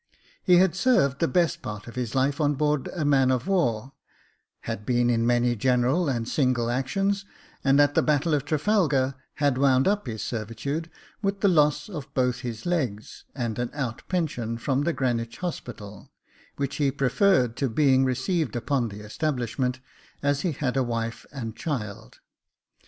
He had served the best part of his life on board a man of war, had been in many general and single actions, and, at the battle of Trafalgar, had wound up his servitude with the loss of both his legs and an out pension from Greenwich Hospital, which he preferred to being received upon the establishment, as he had a wife and child.